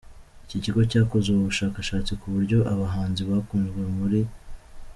Iki kigo cyakoze ubu bushakashatsi ku buryo abahanzi bakunzwe muri.